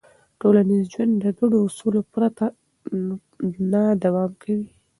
ټولنیز ژوند د ګډو اصولو پرته نه دوام کوي.